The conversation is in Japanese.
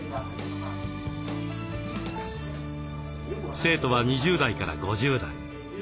生徒は２０代から５０代。